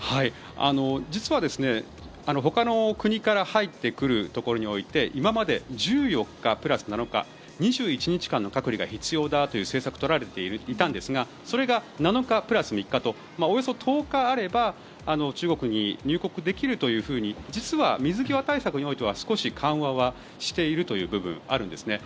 実はほかの国から入ってくるところにおいて今まで１４日プラス７日２１日間の隔離が必要だという政策が取られていたんですがそれが７日プラス３日とおよそ１０日あれば中国に入国できるというふうに実は水際対策においては少し緩和はしているという部分があるんですね。